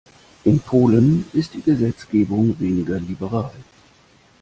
In Polen ist die Gesetzgebung weniger liberal.